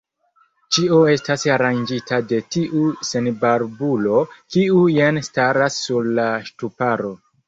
Ĉio estas aranĝita de tiu senbarbulo, kiu jen staras sur la ŝtuparo.